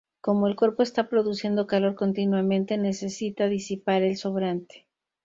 Como el cuerpo está produciendo calor continuamente, necesita disipar el sobrante.